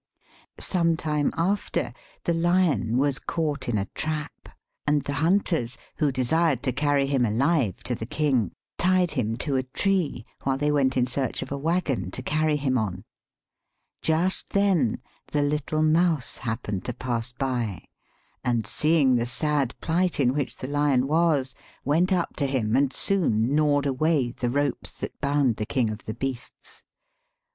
Some time after the lion was caught in a trap, and the hunters, who desired to carry him alive to the king, tied him to a tree while they went in search of a wagon to carry him on. Just then the little mouse happened to pass by, and seeing the sad plight in which the lion was, went up to him and soon gnawed away the ropes that bound the king of the beasts.